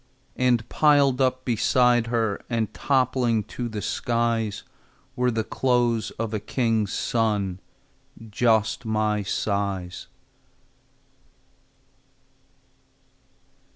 And piled up beside her And toppling to the skies, Were the clothes of a king's son, Just my size.